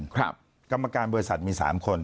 กรรมการบริษัทมี๓คน